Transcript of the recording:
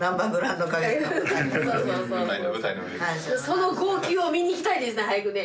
その号泣を見にいきたいですね早くね。